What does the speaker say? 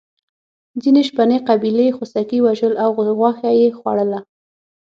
ځینې شپنې قبیلې خوسکي وژل او غوښه یې خوړله.